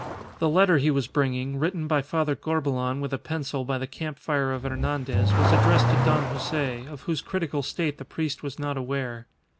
The letter he was bringing, written by Father Corbelan with a pencil by the camp fire of Hernandez, was addressed to Don Jose, of whose critical state the priest was not aware.